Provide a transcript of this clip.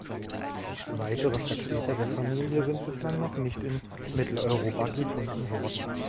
Weitere Vertreter der Familie sind bislang noch nicht in Mitteleuropa gefunden worden.